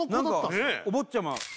何かお坊ちゃま